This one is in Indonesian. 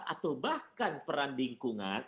atau bahkan peran lingkungan